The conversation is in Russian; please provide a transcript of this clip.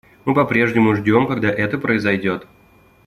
Мы по-прежнему ждем, когда это произойдет.